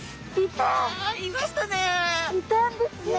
いたんですね。